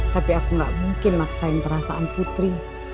tapi aku gak mungkin maksain perasaan putri